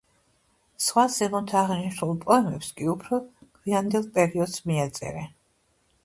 სხვა ზემოთ აღნიშნულ პოემებს კი უფრო გვიანდელ პერიოდს მიაწერენ.